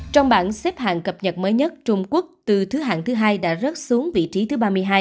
trong bảng xếp hạng cập nhật mới nhất trung quốc từ thứ hạng thứ hai đã rớt xuống vị trí thứ ba mươi hai